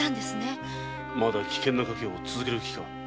まだ危ない賭けを続ける気か。